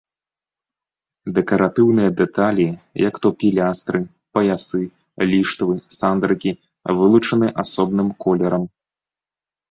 Дэкаратыўныя дэталі, як то пілястры, паясы, ліштвы, сандрыкі, вылучаны асобным колерам.